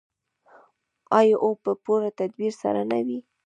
آیا او په پوره تدبیر سره نه وي؟